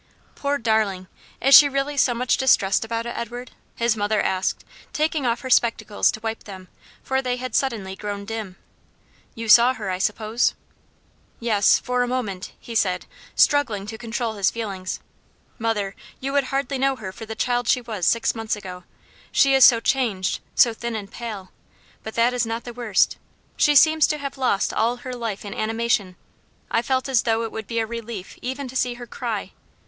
"Poor darling! is she really so much distressed about it, Edward?" his mother asked, taking off her spectacles to wipe them, for they had suddenly grown dim. "You saw her, I suppose?" "Yes, for a moment," he said, struggling to control his feelings. "Mother, you would hardly know her for the child she was six months ago! she is so changed, so thin and pale but that is not the worst; she seems to have lost all her life and animation. I felt as though it would be a relief even to see her cry.